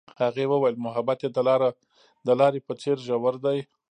هغې وویل محبت یې د لاره په څېر ژور دی.